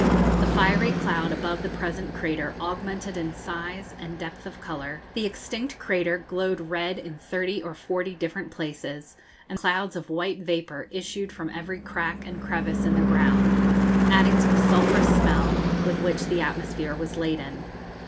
The fiery cloud above the present crater augmented in size and depth of colour; the extinct crater glowed red in thirty or forty different places; and clouds of white vapour issued from every crack and crevice in the ground, adding to the sulphurous smell with which the atmosphere was laden.